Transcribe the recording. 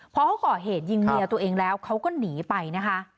พอเขาก่อเหตุยิงเมียตัวเองแล้วเขาก็หนีไปนะคะ